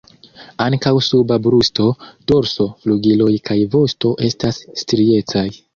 Ankaŭ suba brusto, dorso, flugiloj kaj vosto estas striecaj.